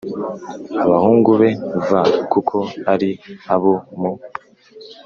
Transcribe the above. abahungu be v kuko ari abo mu